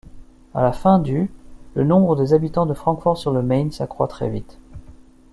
À la fin du le nombre des habitants de Francfort-sur-le-Main s'accroît très vite.